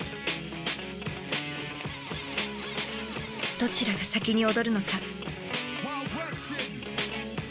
どちらが先に踊るのか。